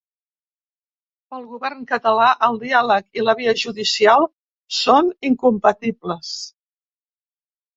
Pel govern català, el diàleg i la via judicial són incompatibles.